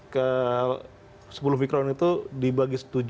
ke sepuluh mikron itu dibagi tujuh